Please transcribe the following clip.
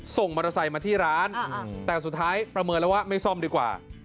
ส่งมอเตอร์ไซค์มาที่ร้านแต่สุดท้ายประเมินแล้วว่าไม่ซ่อมดีกว่า